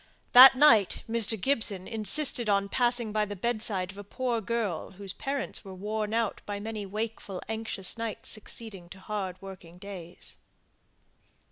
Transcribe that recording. That night Mr. Gibson insisted on passing by the bedside of a poor girl whose parents were worn out by many wakeful anxious nights succeeding to hard working days.